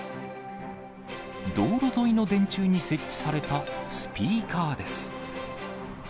道路沿いの電柱に設置されたスピーカーです。